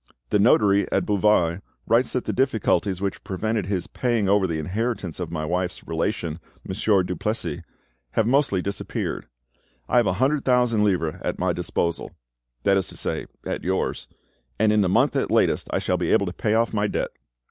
The notary at Beauvais writes that the difficulties which prevented his paying over the inheritance of my wife's relation, Monsieur Duplessis, have mostly disappeared. I have a hundred thousand livres at my disposal,—that is to say, at yours,—and in a month at latest I shall be able to pay off my debt.